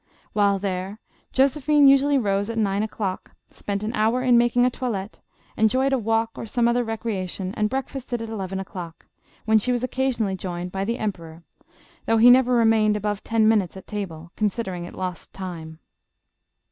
While there, Josephine usually rose at nine o'clock, spent an hour in making a toilette, enjoyed a walk or some other recreation, and breakfasted at eleven o'clock, when she was occasionally joined by the emperor, though he never remained above ten minutes at table, considering it lost time.